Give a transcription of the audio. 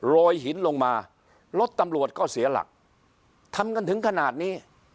หินลงมารถตำรวจก็เสียหลักทำกันถึงขนาดนี้